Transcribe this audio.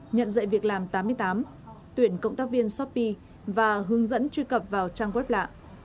nhận dạy việc làm tám mươi tám tuyển cộng tác viên shopee và hướng dẫn truy cập vào trang web lạ